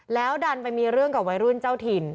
แล้วดันไปมีเรื่องกับวัยรุ่นเจ้าถิ่น